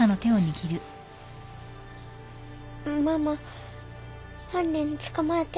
ママ犯人捕まえて。